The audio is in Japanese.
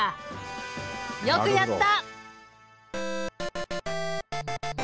よくやった。